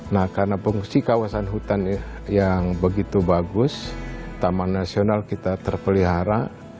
nah karena fungsi kawasan hutan yang begitu bagus taman nasional kita terpelihara